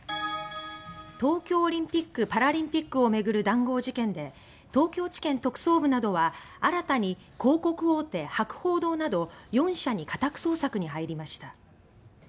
東京オリンピック・パラリンピックを巡る談合事件で東京地検特捜部などは新たに広告大手、博報堂など４社に家宅捜索に入りました。